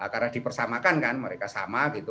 karena dipersamakan kan mereka sama gitu